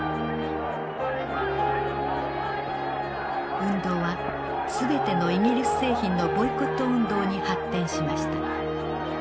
運動は全てのイギリス製品のボイコット運動に発展しました。